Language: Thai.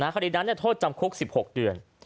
คดีนั้นโทษจำคุก๑๖เดือน